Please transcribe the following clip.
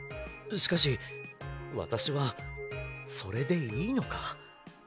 しかしわたしはそれでいいのか？